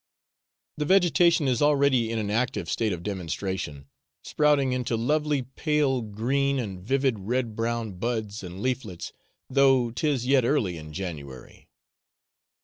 The vegetation is already in an active state of demonstration, sprouting into lovely pale green and vivid red brown buds and leaflets, though 'tis yet early in January.